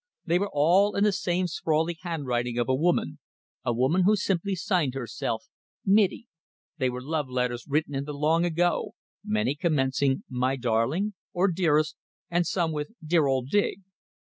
They were all in the same sprawly handwriting of a woman a woman who simply signed herself "Mittie." They were love letters written in the long ago, many commencing "My darling," or "Dearest," and some with "Dear old Dig."